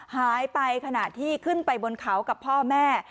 หายไปขณะที่ขึ้นไปบนเขากับพ่อแม่